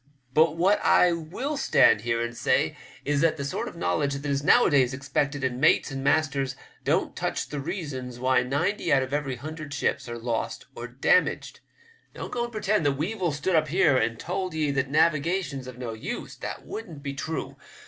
But what I will stand here and say is that the sort of knowledge that is nowadays expected in mates and masters don't touch the reasons why ninety out of every hundred ships are lost or damaged. Don't go and pretend that Weevil stood up here and told ye that navigation's of no use. That wouldn't be true.